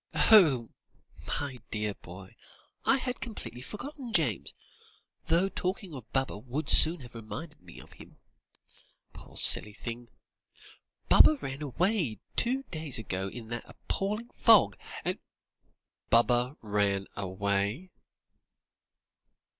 "Oh! my dear boy, I had completely forgotten James, though talking of Baba would soon have reminded me of him poor silly thing! Baba ran away two days ago in that appalling fog and " "_Baba ran away?